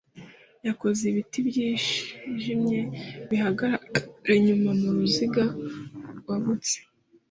Yakoze ibiti byijimye bihagarara inyuma muruziga rwagutse